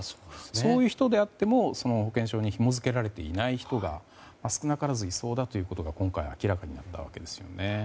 そういう人であっても保険証にひも付けられていない人が少なからずいそうだということが今回明らかになった訳ですよね。